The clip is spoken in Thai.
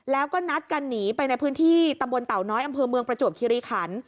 แล้วก็นัดกันหนีไปในพื้นที่ตำบลเต่าน้อยอำเภอเมืองประจวบคิริขัน